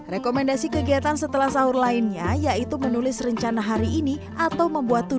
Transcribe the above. rekomendasi kegiatan setelah sahur lainnya yaitu menulis rencana hari ini atau membuat